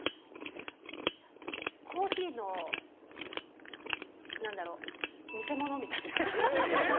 コーヒーのなんだろう、偽物みたいな。